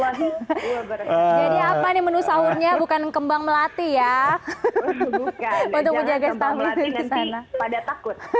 jadi apa nih menu sahurnya bukan kembang melati ya untuk menjaga